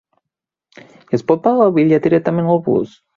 I es pot pagar el bitllet directament al bus?